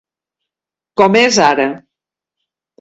Com és ara.